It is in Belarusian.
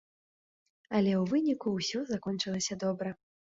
Але ў выніку ўсё закончылася добра.